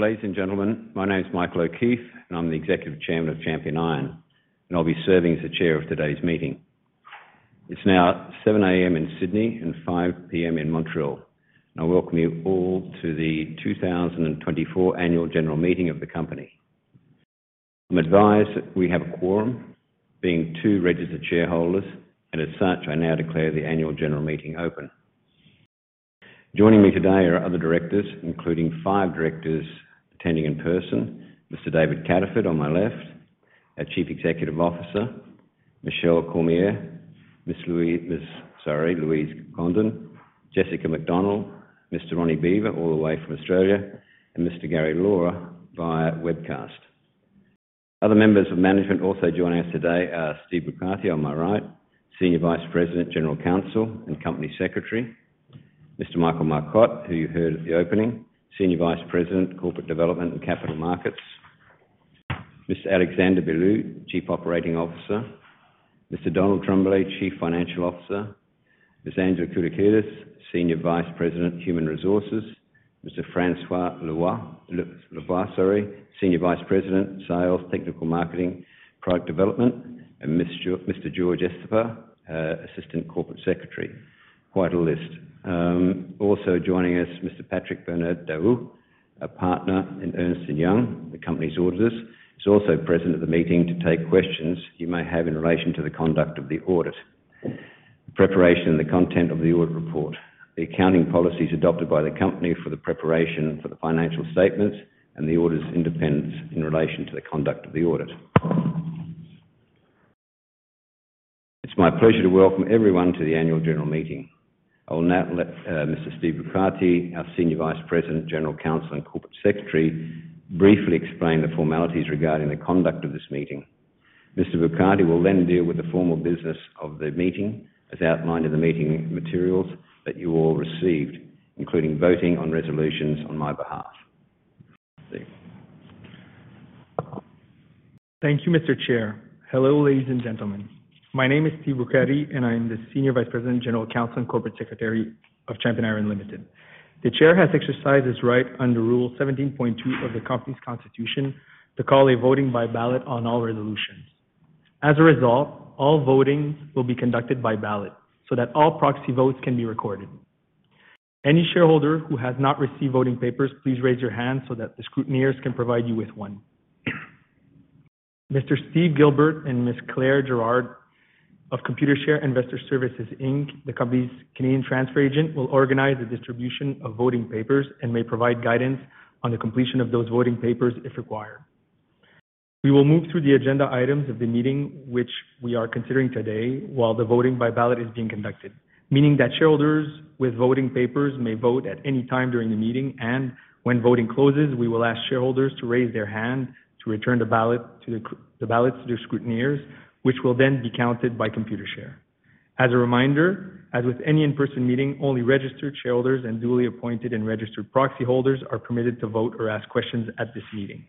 Hello, ladies and gentlemen. My name is Michael O'Keefe, and I'm the Executive Chairman of Champion Iron, and I'll be serving as the chair of today's meeting. It's now 7:00 A.M. in Sydney and 5:00 P.M. in Montreal. I welcome you all to the 2024 annual general meeting of the company. I'm advised that we have a quorum, being two registered shareholders, and as such, I now declare the annual general meeting open. Joining me today are other directors, including five directors attending in person: Mr. David Cataford, on my left, our Chief Executive Officer, Michelle Cormier, Ms. Louise Grondin, Jessica McDonald, Mr. Ronnie Beevor, all the way from Australia, and Mr. Gary Lawler via webcast. Other members of management also joining us today are Steve Boucratie, on my right, Senior Vice President, General Counsel, and Corporate Secretary, Mr. Michael Marcotte, who you heard at the opening, Senior Vice President, Corporate Development and Capital Markets, Mr. Alexandre Belleau, Chief Operating Officer, Mr. Donald Tremblay, Chief Financial Officer, Ms. Angela Kourouklis, Senior Vice President, Human Resources, Mr. François Lavoie, Senior Vice President, Sales, Technical Marketing, Product Development, and Mr. Jorge Estepa, Assistant Corporate Secretary. Quite a list. Also joining us, Mr. Patrick Bertrand-Daoust, a partner in Ernst & Young, the company's auditors. He's also present at the meeting to take questions you may have in relation to the conduct of the audit, the preparation and the content of the audit report, the accounting policies adopted by the company for the preparation for the financial statements, and the auditor's independence in relation to the conduct of the audit. It's my pleasure to welcome everyone to the annual general meeting. I will now let Mr. Steve Boucratie, our Senior Vice President, General Counsel, and Corporate Secretary, briefly explain the formalities regarding the conduct of this meeting. Mr. Boucratie will then deal with the formal business of the meeting, as outlined in the meeting materials that you all received, including voting on resolutions on my behalf. Steve. Thank you, Mr. Chair. Hello, ladies and gentlemen. My name is Steve Boucratie, and I am the Senior Vice President, General Counsel, and Corporate Secretary of Champion Iron Limited. The chair has exercised his right under Rule seventeen point two of the company's constitution to call a voting by ballot on all resolutions. As a result, all votings will be conducted by ballot so that all proxy votes can be recorded. Any shareholder who has not received voting papers, please raise your hand so that the scrutineers can provide you with one. Mr. Steve Gilbert and Ms. Claire Girard of Computershare Investor Services Inc., the company's Canadian transfer agent, will organize the distribution of voting papers and may provide guidance on the completion of those voting papers if required. We will move through the agenda items of the meeting, which we are considering today, while the voting by ballot is being conducted, meaning that shareholders with voting papers may vote at any time during the meeting, and when voting closes, we will ask shareholders to raise their hand to return the ballots to the scrutineers, which will then be counted by Computershare. As a reminder, as with any in-person meeting, only registered shareholders and duly appointed and registered proxy holders are permitted to vote or ask questions at this meeting.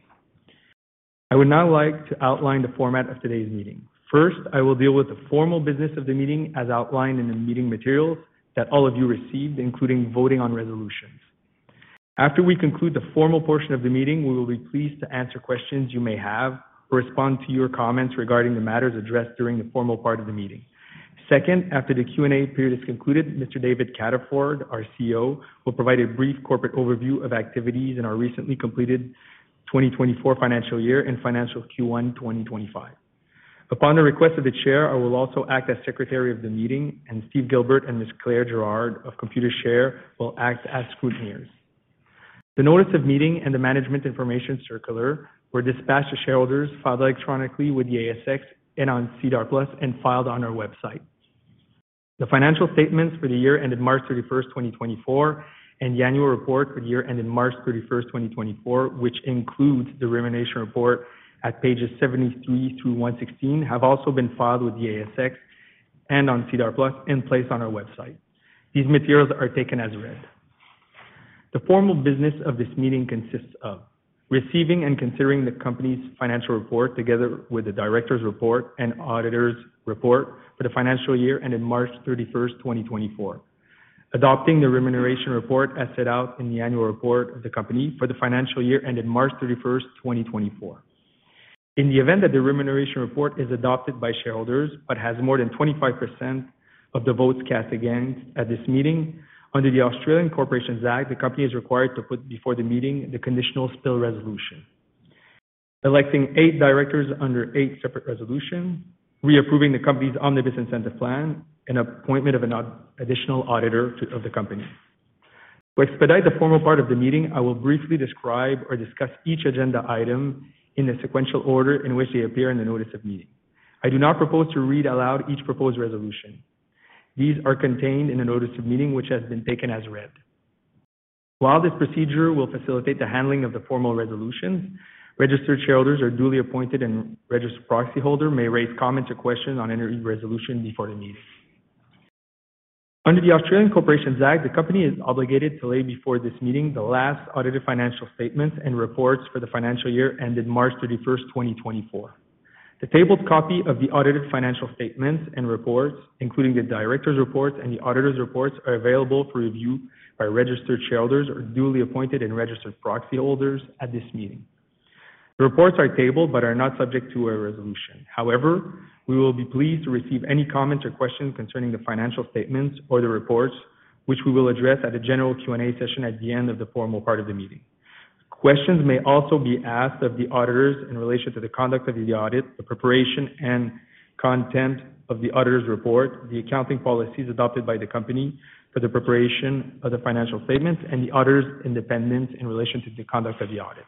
I would now like to outline the format of today's meeting. First, I will deal with the formal business of the meeting as outlined in the meeting materials that all of you received, including voting on resolutions. After we conclude the formal portion of the meeting, we will be pleased to answer questions you may have or respond to your comments regarding the matters addressed during the formal part of the meeting. Second, after the Q&A period is concluded, Mr. David Cataford, our CEO, will provide a brief corporate overview of activities in our recently completed 2024 financial year and financial Q1 2025. Upon the request of the chair, I will also act as Secretary of the meeting, and Steve Gilbert and Ms. Claire Girard of Computershare will act as scrutineers. The notice of meeting and the management information circular were dispatched to shareholders, filed electronically with the ASX and on SEDAR+, and filed on our website. The financial statements for the year ended March 31st, 2024, and the annual report for the year ended March 31st, 2024, which includes the remuneration report at pages 73 through 116, have also been filed with the ASX and on SEDAR+, and placed on our website. These materials are taken as read. The formal business of this meeting consists of: receiving and considering the company's financial report, together with the directors' report and auditors' report for the financial year ended March 31st, 2024, adopting the remuneration report as set out in the annual report of the company for the financial year ended March 31st, 2024. In the event that the remuneration report is adopted by shareholders but has more than 25% of the votes cast against at this meeting, under the Australian Corporations Act, the company is required to put before the meeting the conditional spill resolution, electing eight directors under eight separate resolutions, reapproving the company's omnibus incentive plan, and appointment of an additional auditor of the company. To expedite the formal part of the meeting, I will briefly describe or discuss each agenda item in the sequential order in which they appear in the notice of meeting. I do not propose to read aloud each proposed resolution. These are contained in the notice of meeting, which has been taken as read. While this procedure will facilitate the handling of the formal resolutions, registered shareholders or duly appointed and registered proxy holder may raise comments or questions on any resolution before the meeting. Under the Australian Corporations Act, the company is obligated to lay before this meeting the last audited financial statements and reports for the financial year ended March 31st, 2024. The tabled copy of the audited financial statements and reports, including the directors' reports and the auditor's reports, are available for review by registered shareholders or duly appointed and registered proxy holders at this meeting. The reports are tabled but are not subject to a resolution. However, we will be pleased to receive any comments or questions concerning the financial statements or the reports, which we will address at a general Q&A session at the end of the formal part of the meeting. Questions may also be asked of the auditors in relation to the conduct of the audit, the preparation and content of the auditor's report, the accounting policies adopted by the company for the preparation of the financial statements, and the auditor's independence in relation to the conduct of the audit.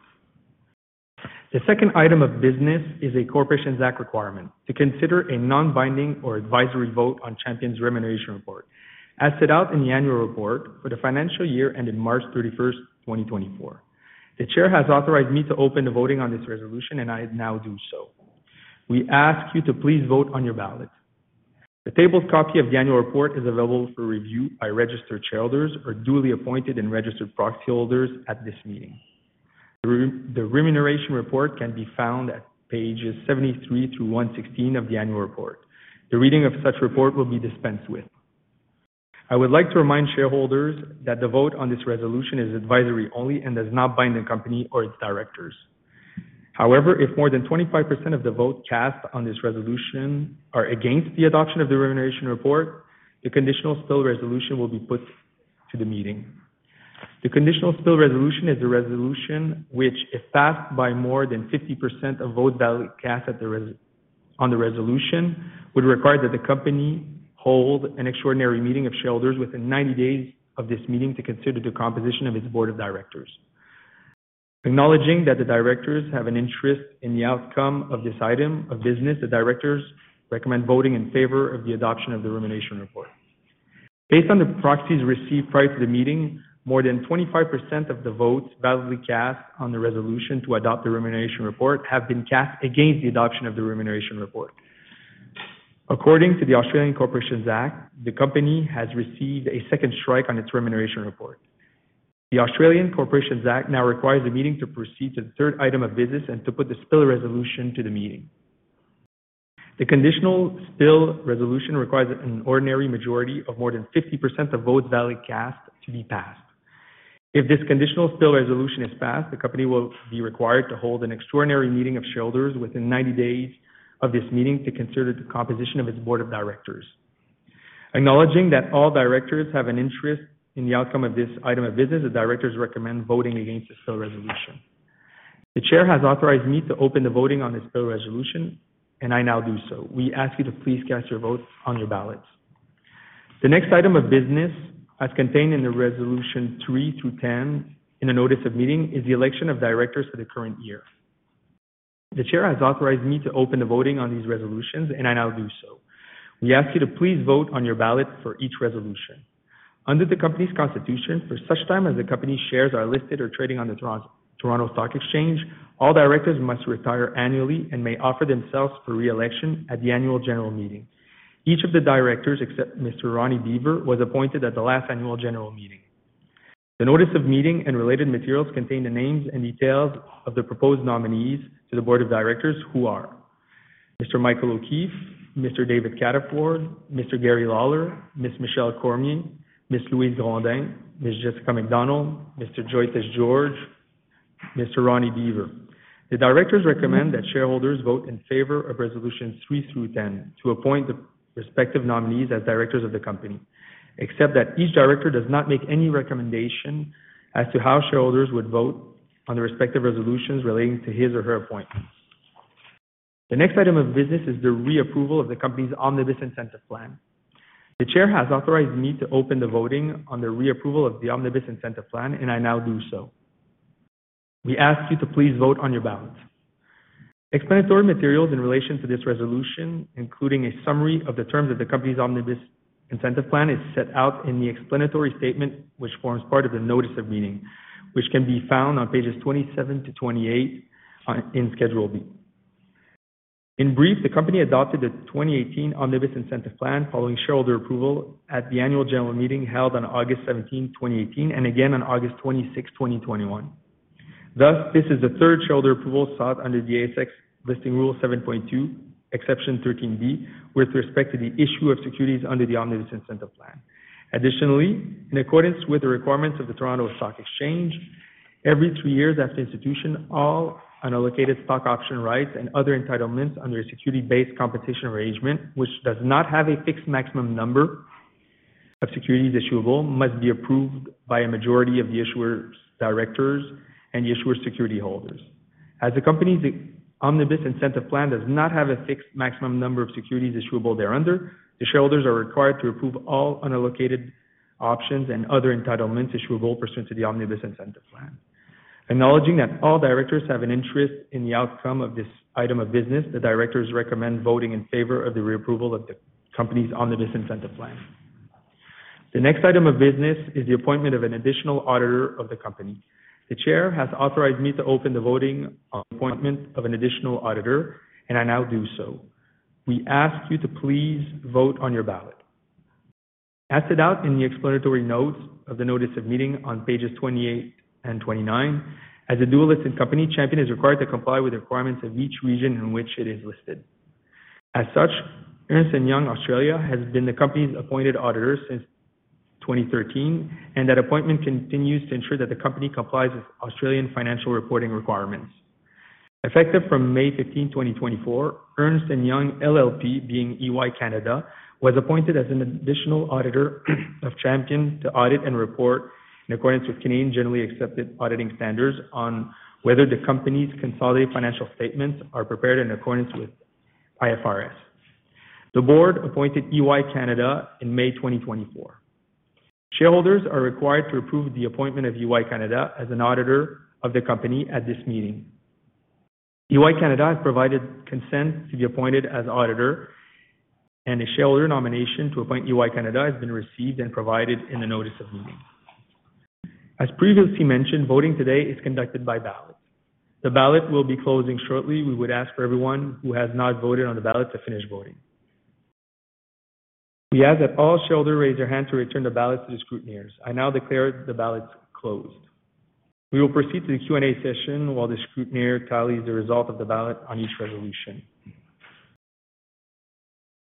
The second item of business is a Corporations Act requirement to consider a non-binding or advisory vote on Champion's remuneration report, as set out in the annual report for the financial year ended March 31st, 2024. The Chair has authorized me to open the voting on this resolution, and I now do so. We ask you to please vote on your ballot. The tabled copy of the annual report is available for review by registered shareholders or duly appointed and registered proxy holders at this meeting. The Remuneration Report can be found at pages 73 through 116 of the annual report. The reading of such report will be dispensed with. I would like to remind shareholders that the vote on this resolution is advisory only and does not bind the company or its directors. However, if more than 25% of the vote cast on this resolution are against the adoption of the Remuneration Report, the Conditional Spill Resolution will be put to the meeting. The Conditional Spill Resolution is a resolution which, if passed by more than 50% of votes validly cast on the resolution, would require that the company hold an extraordinary meeting of shareholders within 90 days of this meeting to consider the composition of its board of directors. Acknowledging that the directors have an interest in the outcome of this item of business, the directors recommend voting in favor of the adoption of the remuneration report. Based on the proxies received prior to the meeting, more than 25% of the votes validly cast on the resolution to adopt the remuneration report have been cast against the adoption of the remuneration report. According to the Australian Corporations Act, the company has received a second strike on its remuneration report. The Australian Corporations Act now requires the meeting to proceed to the third item of business and to put the spill resolution to the meeting. The conditional spill resolution requires an ordinary majority of more than 50% of votes validly cast to be passed. If this Conditional Spill Resolution is passed, the company will be required to hold an extraordinary meeting of shareholders within ninety days of this meeting to consider the composition of its board of directors. Acknowledging that all directors have an interest in the outcome of this item of business, the directors recommend voting against the Spill Resolution. The Chair has authorized me to open the voting on the Spill Resolution, and I now do so. We ask you to please cast your vote on your ballots. The next item of business, as contained in the resolution three through ten in the notice of meeting, is the election of directors for the current year. The Chair has authorized me to open the voting on these resolutions, and I now do so. We ask you to please vote on your ballot for each resolution. Under the company's constitution, for such time as the company's shares are listed or trading on the Toronto Stock Exchange, all directors must retire annually and may offer themselves for re-election at the annual general meeting. Each of the directors, except Mr. Ronnie Beevor, was appointed at the last annual general meeting. The notice of meeting and related materials contain the names and details of the proposed nominees to the board of directors, who are Mr. Michael O'Keeffe, Mr. David Cataford, Mr. Gary Lawler, Ms. Michelle Cormier, Ms. Louise Grondin, Ms. Jessica McDonald, Mr. Jyothish George, Mr. Ronnie Beevor. The directors recommend that shareholders vote in favor of resolutions three through ten to appoint the respective nominees as directors of the company, except that each director does not make any recommendation as to how shareholders would vote on the respective resolutions relating to his or her appointment. The next item of business is the reapproval of the company's Omnibus Incentive Plan. The Chair has authorized me to open the voting on the reapproval of the Omnibus Incentive Plan, and I now do so. We ask you to please vote on your ballot. Explanatory materials in relation to this resolution, including a summary of the terms of the company's Omnibus Incentive Plan, is set out in the explanatory statement, which forms part of the notice of meeting, which can be found on pages 27 to 28 in Schedule B. In brief, the company adopted the 2018 Omnibus Incentive Plan following shareholder approval at the annual general meeting held on August 17th, 2018, and again on August 26, 2021. Thus, this is the third shareholder approval sought under the ASX Listing Rule 7.2, Exception 13B, with respect to the issue of securities under the Omnibus Incentive Plan. Additionally, in accordance with the requirements of the Toronto Stock Exchange, every three years after institution, all unallocated stock option rights and other entitlements under a security-based compensation arrangement, which does not have a fixed maximum number of securities issuable, must be approved by a majority of the issuer's directors and the issuer's security holders. As the company's Omnibus Incentive Plan does not have a fixed maximum number of securities issuable thereunder, the shareholders are required to approve all unallocated options and other entitlements issuable pursuant to the Omnibus Incentive Plan. Acknowledging that all directors have an interest in the outcome of this item of business, the directors recommend voting in favor of the reapproval of the company's Omnibus Incentive Plan. The next item of business is the appointment of an additional auditor of the company. The Chair has authorized me to open the voting on the appointment of an additional auditor, and I now do so. We ask you to please vote on your ballot.... As set out in the explanatory notes of the notice of meeting on pages 28 and 29, as a dual listed company, Champion is required to comply with the requirements of each region in which it is listed. As such, Ernst & Young Australia has been the company's appointed auditor since 2013, and that appointment continues to ensure that the company complies with Australian financial reporting requirements. Effective from May 15, 2024, Ernst & Young, LLP, being EY Canada, was appointed as an additional auditor of Champion to audit and report in accordance with Canadian generally accepted auditing standards on whether the company's consolidated financial statements are prepared in accordance with IFRS. The board appointed EY Canada in May 2024. Shareholders are required to approve the appointment of EY Canada as an auditor of the company at this meeting. EY Canada has provided consent to be appointed as auditor, and a shareholder nomination to appoint EY Canada has been received and provided in the notice of meeting. As previously mentioned, voting today is conducted by ballot. The ballot will be closing shortly. We would ask for everyone who has not voted on the ballot to finish voting. We ask that all shareholders raise their hand to return the ballot to the scrutineers. I now declare the ballots closed. We will proceed to the Q&A session while the scrutineer tallies the result of the ballot on each resolution.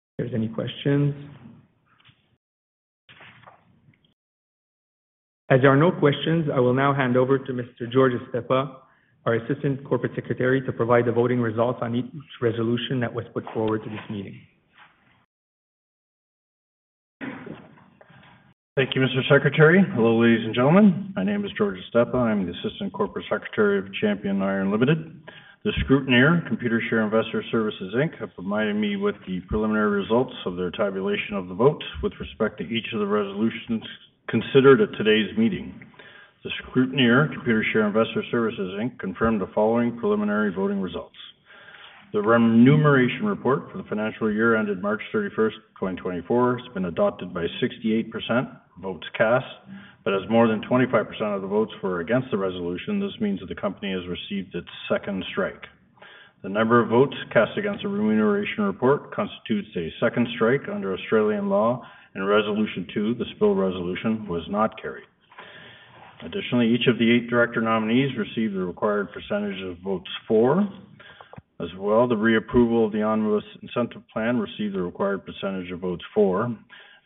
If there's any questions? As there are no questions, I will now hand over to Mr. Jorge Estepa, our Assistant Corporate Secretary, to provide the voting results on each resolution that was put forward to this meeting. Thank you, Mr. Secretary. Hello, ladies and gentlemen. My name is Jorge Estepa. I'm the Assistant Corporate Secretary of Champion Iron Limited. The scrutineer, Computershare Investor Services Inc., have provided me with the preliminary results of their tabulation of the votes with respect to each of the resolutions considered at today's meeting. The scrutineer, Computershare Investor Services Inc., confirmed the following preliminary voting results. The remuneration report for the financial year ended March 31st, 2024, has been adopted by 68% votes cast, but as more than 25% of the votes were against the resolution, this means that the company has received its second strike. The number of votes cast against the remuneration report constitutes a second strike under Australian law, and Resolution two, the spill resolution, was not carried. Additionally, each of the eight director nominees received the required percentage of votes four. As well, the reapproval of the annual incentive plan received the required percentage of votes form.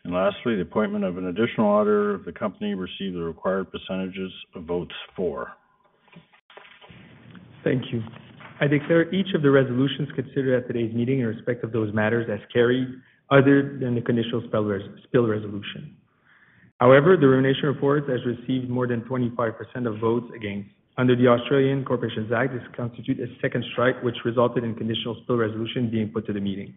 Lastly, the appointment of an additional auditor of the company received the required percentages to votes form. Thank you. I declare each of the resolutions considered at today's meeting in respect of those matters as carried, other than the conditional spill resolution. However, the remuneration report has received more than 25% of votes against. Under the Australian Corporations Act, this constitutes a second strike, which resulted in conditional spill resolution being put to the meeting.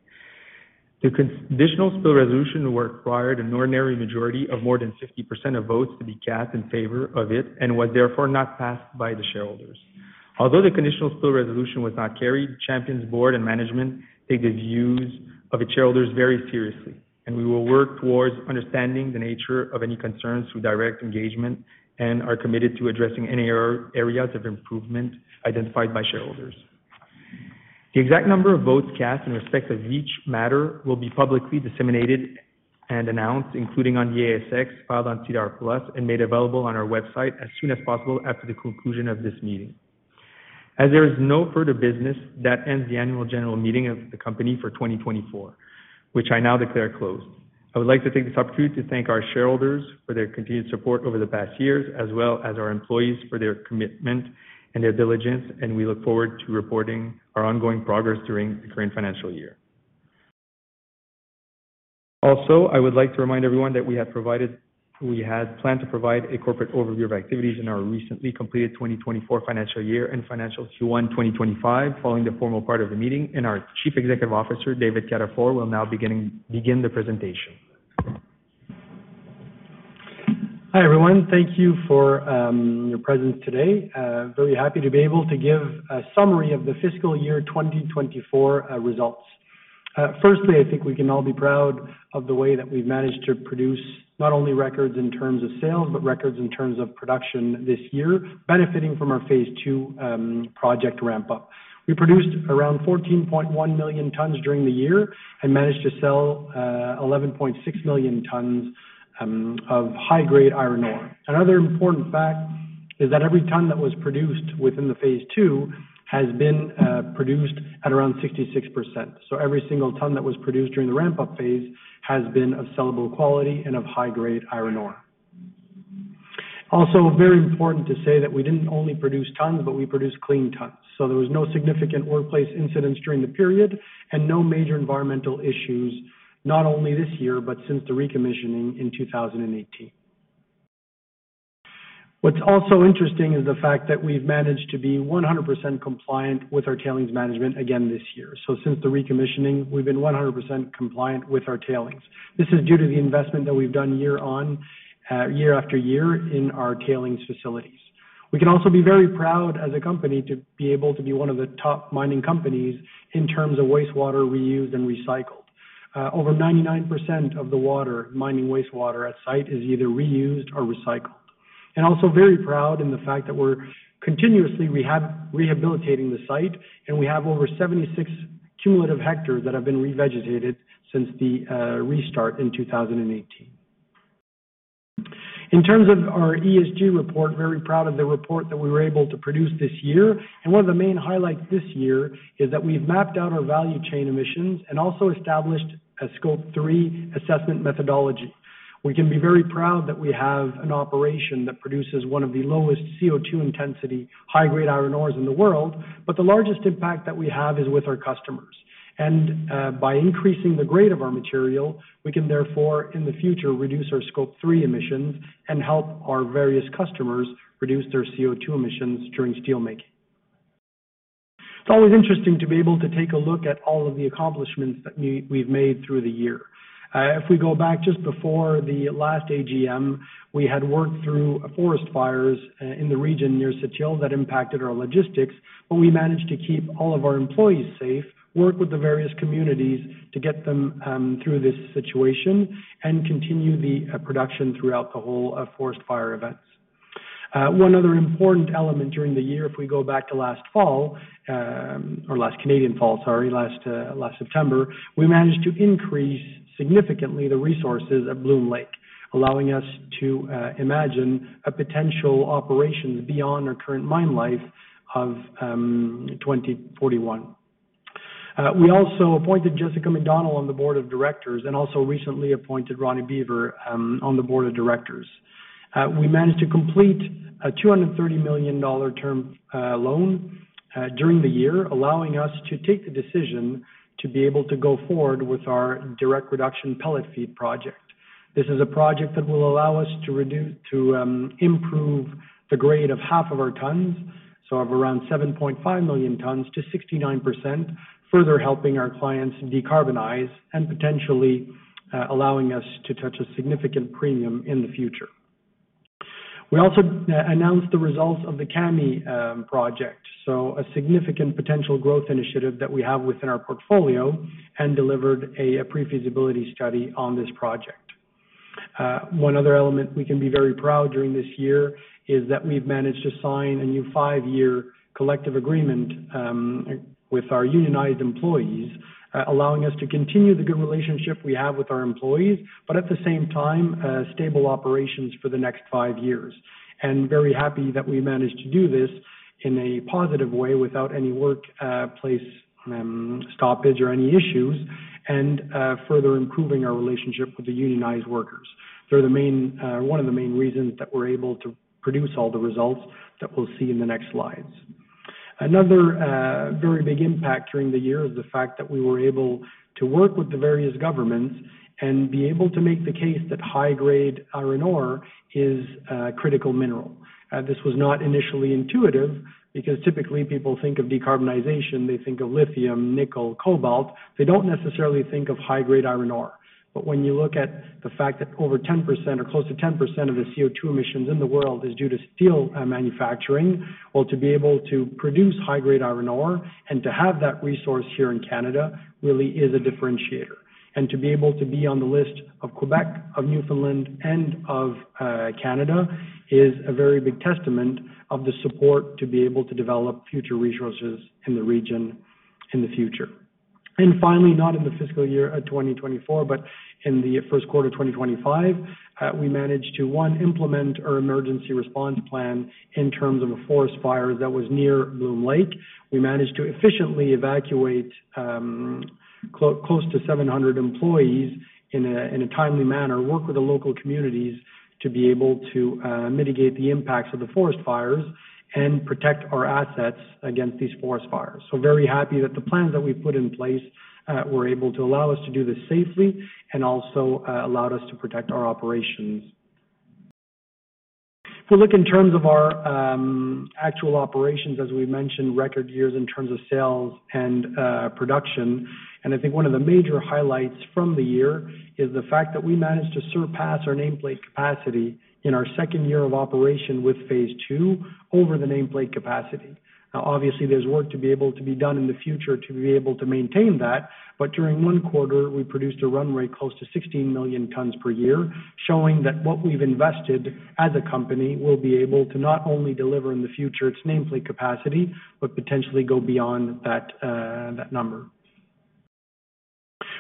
The conditional spill resolution required an ordinary majority of more than 50% of votes to be cast in favor of it and was therefore not passed by the shareholders. Although the conditional spill resolution was not carried, Champion's board and management take the views of its shareholders very seriously, and we will work towards understanding the nature of any concerns through direct engagement and are committed to addressing any error, areas of improvement identified by shareholders. The exact number of votes cast in respect of each matter will be publicly disseminated and announced, including on the ASX, filed on SEDAR+, and made available on our website as soon as possible after the conclusion of this meeting. As there is no further business, that ends the annual general meeting of the company for twenty twenty-four, which I now declare closed. I would like to take this opportunity to thank our shareholders for their continued support over the past years, as well as our employees for their commitment and their diligence, and we look forward to reporting our ongoing progress during the current financial year. Also, I would like to remind everyone that we have provided, we had planned to provide a corporate overview of activities in our recently completed 2024 financial year and financial Q1 2025, following the formal part of the meeting, and our Chief Executive Officer, David Cataford, will now begin the presentation. Hi, everyone. Thank you for your presence today. Very happy to be able to give a summary of the fiscal year 2024 results. Firstly, I think we can all be proud of the way that we've managed to produce not only records in terms of sales, but records in terms of production this year, benefiting from Phase ll project ramp up. We produced around 14.1 million tons during the year and managed to sell 11.6 million tons of high-grade iron ore. Another important fact is that every ton that was produced within Phase ll has been produced at around 66%. So every single ton that was produced during the ramp-up phase has been of sellable quality and of high-grade iron ore. Also, very important to say that we didn't only produce tons, but we produced clean tons, so there was no significant workplace incidents during the period and no major environmental issues, not only this year, but since the recommissioning in 2018. What's also interesting is the fact that we've managed to be 100% compliant with our tailings management again this year. So since the recommissioning, we've been 100% compliant with our tailings. This is due to the investment that we've done year on year-after-year in our tailings facilities. We can also be very proud as a company to be able to be one of the top mining companies in terms of wastewater reused and recycled. Over 99% of the water, mining wastewater at site is either reused or recycled.... Also very proud in the fact that we're continuously rehabilitating the site, and we have over 76 cumulative hectares that have been revegetated since the restart in 2018. In terms of our ESG report, very proud of the report that we were able to produce this year. One of the main highlights this year is that we've mapped out our value chain emissions and also established a Scope 3 assessment methodology. We can be very proud that we have an operation that produces one of the lowest CO2 intensity, high-grade iron ores in the world, but the largest impact that we have is with our customers. By increasing the grade of our material, we can therefore, in the future, reduce our Scope 3 emissions and help our various customers reduce their CO2 emissions during steelmaking. It's always interesting to be able to take a look at all of the accomplishments that we've made through the year. If we go back just before the last AGM, we had worked through forest fires in the region near Sept-Îles that impacted our logistics, but we managed to keep all of our employees safe, work with the various communities to get them through this situation and continue the production throughout the whole forest fire events. One other important element during the year, if we go back to last fall, or last Canadian fall, sorry, last September, we managed to increase significantly the resources at Bloom Lake, allowing us to imagine a potential operation beyond our current mine life of 2041. We also appointed Jessica McDonald on the board of directors, and also recently appointed Ronnie Beevor on the board of directors. We managed to complete a 230 million dollar term loan during the year, allowing us to take the decision to be able to go forward with our direct reduction pellet feed project. This is a project that will allow us to improve the grade of half of our tons, so of around 7.5 million tons to 69%, further helping our clients decarbonize and potentially allowing us to touch a significant premium in the future. We also announced the results of the Kami project, so a significant potential growth initiative that we have within our portfolio and delivered a pre-feasibility study on this project. One other element we can be very proud during this year is that we've managed to sign a new five year collective agreement, with our unionized employees, allowing us to continue the good relationship we have with our employees, but at the same time, stable operations for the next five years, and very happy that we managed to do this in a positive way without any workplace stoppage or any issues, and, further improving our relationship with the unionized workers. They're the main, one of the main reasons that we're able to produce all the results that we'll see in the next slides. Another, very big impact during the year is the fact that we were able to work with the various governments and be able to make the case that high grade iron ore is a critical mineral. This was not initially intuitive, because typically people think of decarbonization, they think of lithium, nickel, cobalt. They don't necessarily think of high-grade iron ore. But when you look at the fact that over 10% or close to 10% of the CO2 emissions in the world is due to steel manufacturing, well, to be able to produce high-grade iron ore and to have that resource here in Canada really is a differentiator. And to be able to be on the list of Quebec, of Newfoundland, and of Canada, is a very big testament of the support to be able to develop future resources in the region in the future. Finally, not in the fiscal year 2024, but in the first quarter of 2025, we managed to implement our emergency response plan in terms of a forest fire that was near Bloom Lake. We managed to efficiently evacuate close to seven hundred employees in a timely manner, work with the local communities to be able to mitigate the impacts of the forest fires and protect our assets against these forest fires. Very happy that the plans that we've put in place were able to allow us to do this safely and also allowed us to protect our operations. If we look in terms of our actual operations, as we mentioned, record years in terms of sales and production. I think one of the major highlights from the year is the fact that we managed to surpass our nameplate capacity in our second year of operation with Phase ll over the nameplate capacity. Now, obviously, there's work to be able to be done in the future to be able to maintain that, but during one quarter, we produced a run rate close to 16 million tons per year, showing that what we've invested as a company will be able to not only deliver in the future its nameplate capacity, but potentially go beyond that, that number.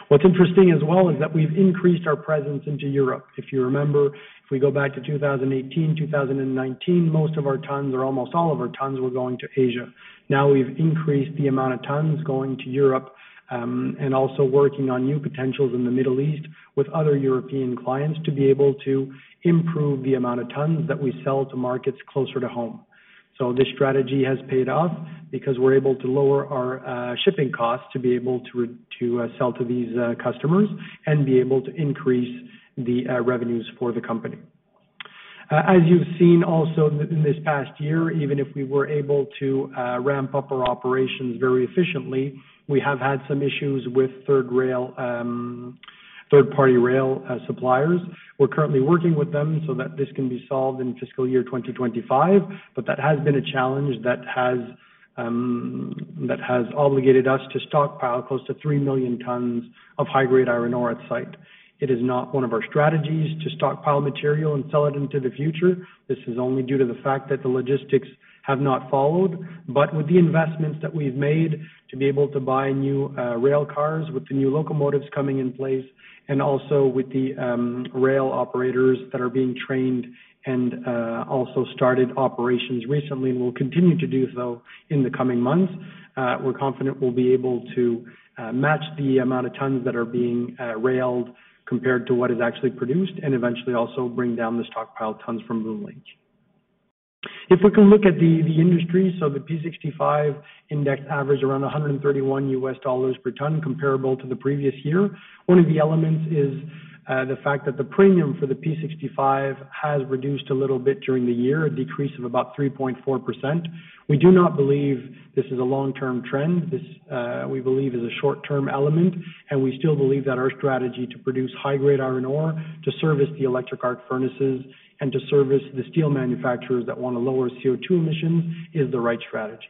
What's interesting as well is that we've increased our presence into Europe. If you remember, if we go back to 2018, 2019, most of our tons or almost all of our tons were going to Asia. Now, we've increased the amount of tons going to Europe, and also working on new potentials in the Middle East with other European clients to be able to improve the amount of tons that we sell to markets closer to home. So this strategy has paid off because we're able to lower our shipping costs to be able to sell to these customers and be able to increase the revenues for the company. As you've seen also in this past year, even if we were able to ramp up our operations very efficiently, we have had some issues with third-party rail suppliers. We're currently working with them so that this can be solved in fiscal year 2025, but that has been a challenge that has obligated us to stockpile close to three million tons of high-grade iron ore on site. It is not one of our strategies to stockpile material and sell it into the future. This is only due to the fact that the logistics have not followed. But with the investments that we've made to be able to buy new rail cars, with the new locomotives coming in place, and also with the rail operators that are being trained and also started operations recently and will continue to do so in the coming months, we're confident we'll be able to match the amount of tons that are being railed compared to what is actually produced, and eventually also bring down the stockpiled tons from Bloom Lake. If we can look at the industry, so the P65 Index averaged around $131 per ton, comparable to the previous year. One of the elements is the fact that the premium for the P65 has reduced a little bit during the year, a decrease of about 3.4%. We do not believe this is a long-term trend. This, we believe, is a short-term element, and we still believe that our strategy to produce high-grade iron ore to service the electric arc furnaces and to service the steel manufacturers that want to lower CO2 emissions is the right strategy.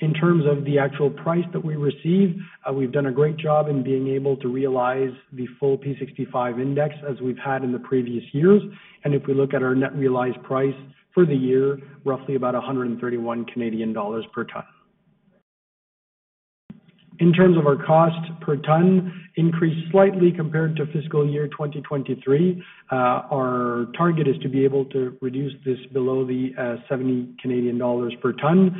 In terms of the actual price that we receive, we've done a great job in being able to realize the full P65 Index as we've had in the previous years, and if we look at our net realized price for the year, roughly about 131 Canadian dollars per ton. In terms of our cost per ton, increased slightly compared to fiscal year 2023. Our target is to be able to reduce this below the 70 Canadian dollars per ton.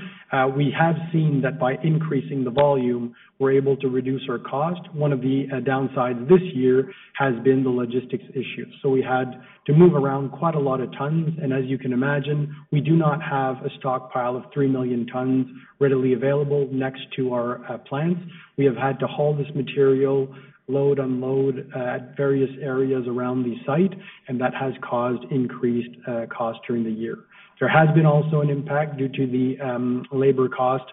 We have seen that by increasing the volume, we're able to reduce our cost. One of the downsides this year has been the logistics issue, so we had to move around quite a lot of tons, and as you can imagine, we do not have a stockpile of three million tons readily available next to our plants. We have had to haul this material, load and load at various areas around the site, and that has caused increased costs during the year. There has been also an impact due to the labor cost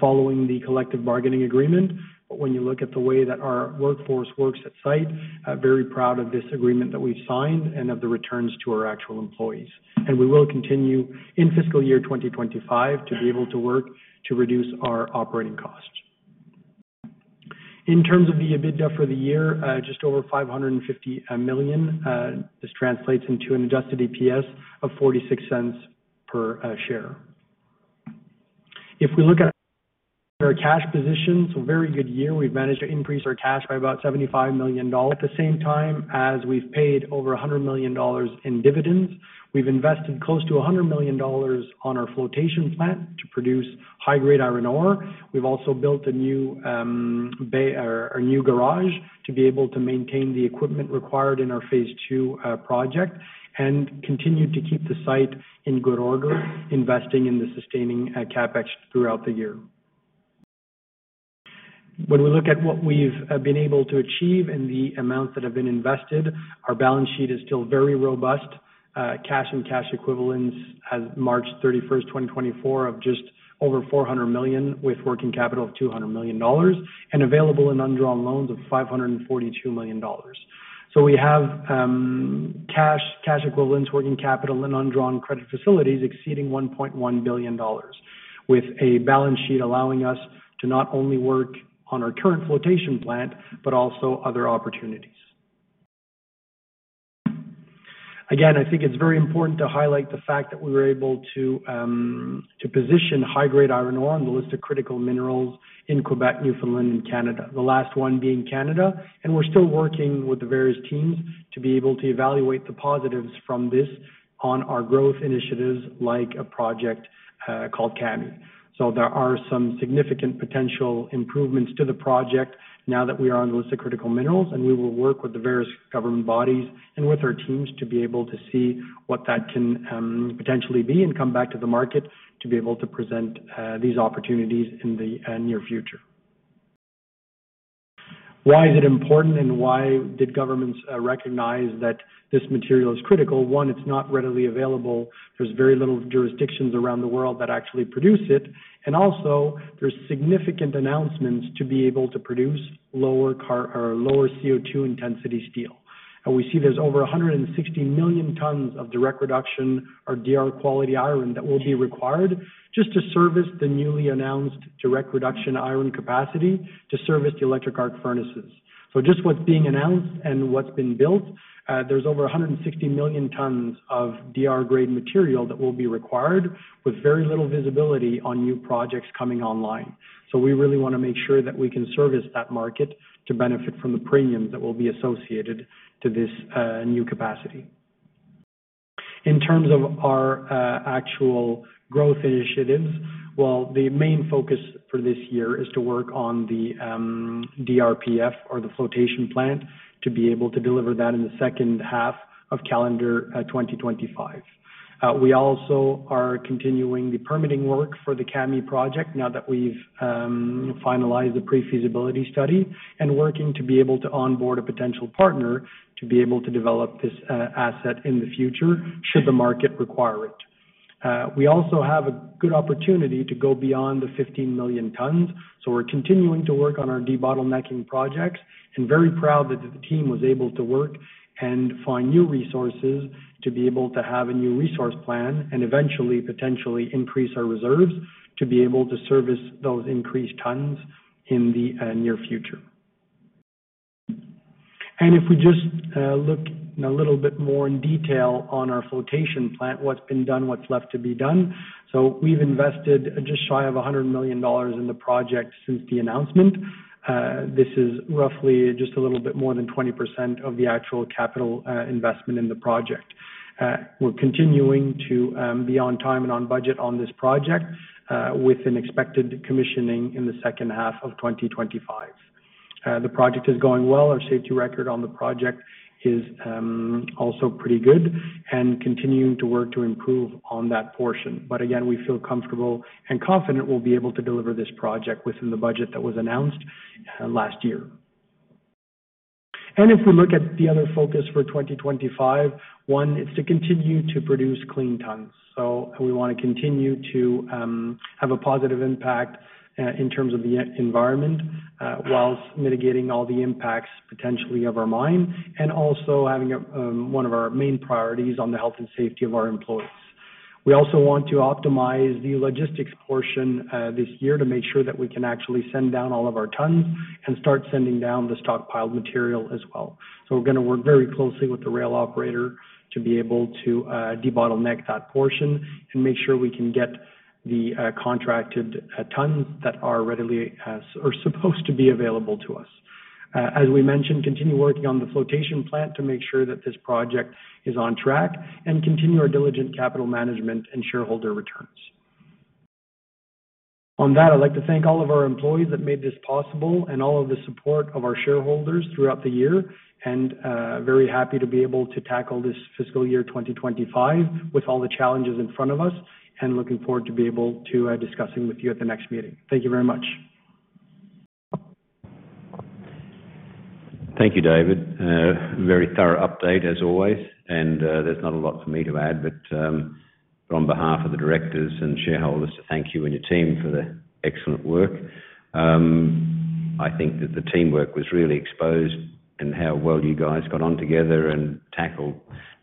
following the collective bargaining agreement. But when you look at the way that our workforce works at site, very proud of this agreement that we've signed and of the returns to our actual employees. We will continue, in fiscal year 2025, to be able to work to reduce our operating cost. In terms of the EBITDA for the year, just over $550 million. This translates into an adjusted EPS of $0.46 per share. If we look at our cash position, it's a very good year. We've managed to increase our cash by about $75 million. At the same time, as we've paid over $100 million in dividends, we've invested close to $100 million on our flotation plant to produce high-grade iron ore. We've also built a new bay or a new garage to be able to maintain the equipment required in our Phase ll project and continue to keep the site in good order, investing in the sustaining CapEx throughout the year. When we look at what we've been able to achieve and the amounts that have been invested, our balance sheet is still very robust. Cash and cash equivalents as March 31st, 2024, of just over $400 million, with working capital of $200 million, and available in undrawn loans of $542 million. So we have cash, cash equivalents, working capital, and undrawn credit facilities exceeding $1.1 billion, with a balance sheet allowing us to not only work on our current flotation plant, but also other opportunities. Again, I think it's very important to highlight the fact that we were able to position high-grade iron ore on the list of critical minerals in Quebec, Newfoundland, and Canada, the last one being Canada. We're still working with the various teams to be able to evaluate the positives from this on our growth initiatives, like a project called Kami. There are some significant potential improvements to the project now that we are on the list of critical minerals, and we will work with the various government bodies and with our teams to be able to see what that can potentially be, and come back to the market to be able to present these opportunities in the near future. Why is it important and why did governments recognize that this material is critical? One, it's not readily available. There's very little jurisdictions around the world that actually produce it. Also, there's significant announcements to be able to produce lower carbon or lower CO2 intensity steel. We see there's over 160 million tons of direct reduction, or DR-quality iron, that will be required just to service the newly announced direct reduction iron capacity to service the electric arc furnaces. Just what's being announced and what's been built, there's over 160 million tons of DR-grade material that will be required, with very little visibility on new projects coming online. We really wanna make sure that we can service that market to benefit from the premium that will be associated to this new capacity. In terms of our actual growth initiatives, the main focus for this year is to work on the DRPF, or the flotation plant, to be able to deliver that in the second half of calendar 2025. We also are continuing the permitting work for the Kami project now that we've finalized the pre-feasibility study, and working to be able to onboard a potential partner to be able to develop this asset in the future should the market require it. We also have a good opportunity to go beyond the 15 million tons, so we're continuing to work on our debottlenecking projects, and very proud that the team was able to work and find new resources to be able to have a new resource plan and eventually, potentially increase our reserves to be able to service those increased tons in the near future, and if we just look in a little bit more in detail on our flotation plant, what's been done, what's left to be done. So we've invested just shy of 100 million dollars in the project since the announcement. This is roughly just a little bit more than 20% of the actual capital investment in the project. We're continuing to be on time and on budget on this project with an expected commissioning in the second half of 2025. The project is going well. Our safety record on the project is also pretty good and continuing to work to improve on that portion. But again, we feel comfortable and confident we'll be able to deliver this project within the budget that was announced last year. And if we look at the other focus for 2025, one is to continue to produce clean tons. So we wanna continue to have a positive impact in terms of the environment whilst mitigating all the impacts, potentially, of our mine, and also having a one of our main priorities on the health and safety of our employees. We also want to optimize the logistics portion this year to make sure that we can actually send down all of our tons and start sending down the stockpiled material as well. So we're gonna work very closely with the rail operator to be able to debottleneck that portion and make sure we can get the contracted tons that are readily supposed to be available to us. As we mentioned, continue working on the flotation plant to make sure that this project is on track and continue our diligent capital management and shareholder returns. On that, I'd like to thank all of our employees that made this possible and all of the support of our shareholders throughout the year, and very happy to be able to tackle this fiscal year 2025, with all the challenges in front of us, and looking forward to be able to discussing with you at the next meeting. Thank you very much. Thank you, David. Very thorough update, as always, and, there's not a lot for me to add, but, on behalf of the directors and shareholders, thank you and your team for the excellent work. I think that the teamwork was really exposed in how well you guys got on together and tackled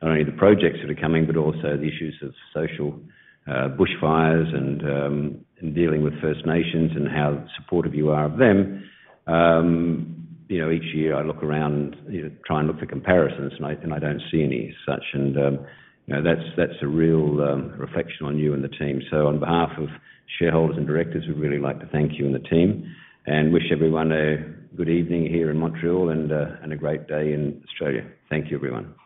not only the projects that are coming, but also the issues of social, bushfires and, dealing with First Nations and how supportive you are of them. You know, each year I look around, you know, try and look for comparisons, and I don't see any such and, you know, that's a real reflection on you and the team. On behalf of shareholders and directors, we'd really like to thank you and the team and wish everyone a good evening here in Montreal and a great day in Australia. Thank you, everyone.